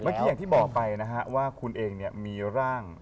เคบเมื่อกี้อย่างที่บอกไปนะฮะว่าคุณเองเนี่ยมีร่าง